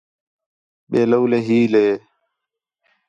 ٻئے لَولے حیل ہِے